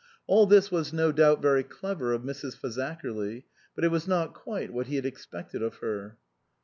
All this was no doubt very clever of Mrs. Fazakerly ; but it was not quite what he had expected of her.